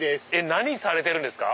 何されてるんですか？